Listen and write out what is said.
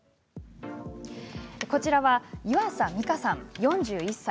こちらは湯浅美香さん、４１歳。